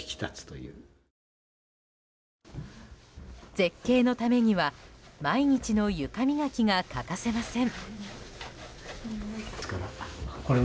絶景のためには毎日の床磨きが欠かせません。